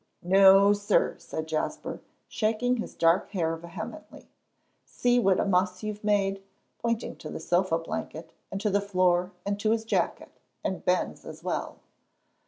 "No, sir!" said Jasper, shaking his dark hair vehemently; "see what a muss you've made," pointing to the sofa blanket and to the floor and to his jacket, and Ben's as well.